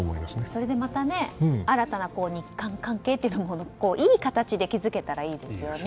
それでまた新たな日韓関係がいい形で築けたらいいですよね。